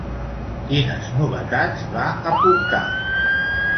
Quines novetats va aportar?